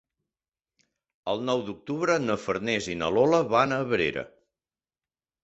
El nou d'octubre na Farners i na Lola van a Abrera.